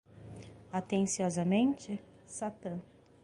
Atenciosamente,? satan.